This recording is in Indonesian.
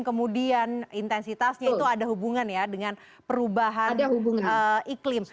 kemudian intensitasnya itu ada hubungan ya dengan perubahan iklim